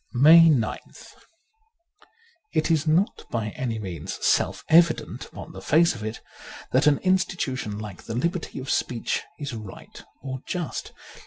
'' 140 MAY 9th IT is not by any means self evident upon the face of it that an institution like the liberty of speech is right or just.